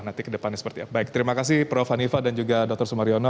nanti kedepannya seperti apa baik terima kasih prof hanifah dan juga dr sumariono